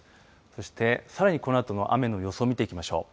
そして、さらにこのあとの雨の予想を見ていきましょう。